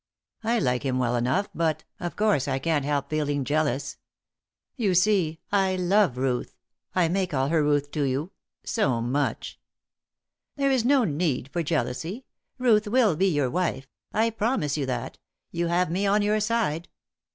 I like him well enough but, of course, I can't help feeling jealous. You see, I love Ruth I may call her Ruth to you so much." "There is no need for jealousy. Ruth will be your wife. I promise you that; you have me on your side."